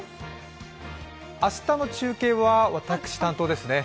明日の中継は私担当ですね。